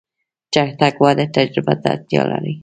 چټک وده تجربه ته اړتیا لري.